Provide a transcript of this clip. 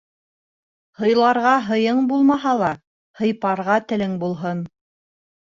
Һыйларға һыйың булмаһа ла, Һыйпарға телең булһын.